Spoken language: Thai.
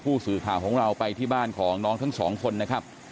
ผู้สื่อข่าวของเราไปที่บ้านของน้องทั้งสองคนนะครับ